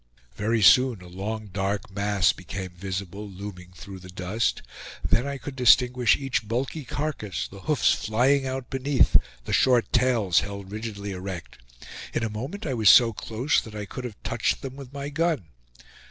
Very soon a long dark mass became visible, looming through the dust; then I could distinguish each bulky carcass, the hoofs flying out beneath, the short tails held rigidly erect. In a moment I was so close that I could have touched them with my gun.